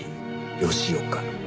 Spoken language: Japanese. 吉岡」